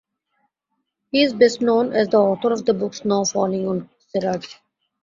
He is best known as the author of the book "Snow Falling on Cedars".